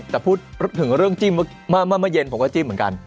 แต่พูดถึงเรื่องจิ้มเมื่อเย็นผมก็จิ้มเหมือนกัน